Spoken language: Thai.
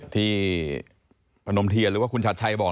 พนมเทียนหรือว่าคุณชัดชัยบอก